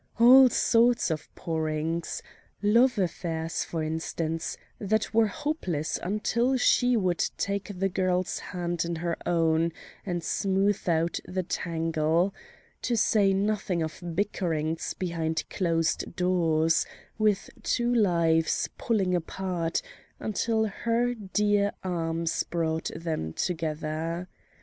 All sorts of pourings: love affairs, for instance, that were hopeless until she would take the girl's hand in her own and smooth out the tangle; to say nothing of bickerings behind closed doors, with two lives pulling apart until her dear arms brought them together.